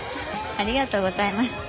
ありがとうございます。